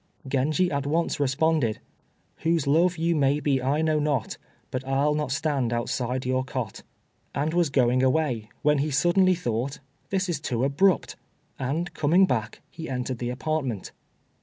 Genji at once responded, "Whose love you may be I know not, But I'll not stand outside your cot," and was going away, when he suddenly thought, "This is too abrupt!" and coming back, he entered the apartment.